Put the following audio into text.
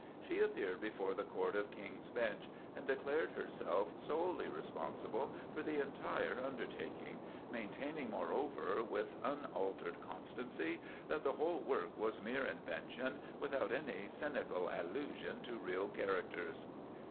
She appeared before the Court of King's Bench, and declared herself solely responsible for the entire undertaking, maintaining, moreover, "with unaltered constancy, that the whole work was mere invention, without any cynical allusion to real characters."